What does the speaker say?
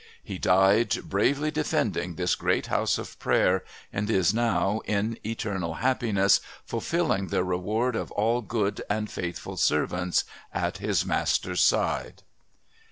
"'He died, bravely defending this great house of Prayer, and is now, in eternal happiness, fulfilling the reward of all good and faithful servants, at his Master's side.'"